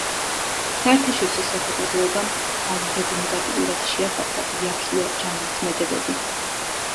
საერთაშორისო საზოგადოებამ ძალზედ ნეგატიურად შეაფასა იაჰია ჯამეს ქმედებები.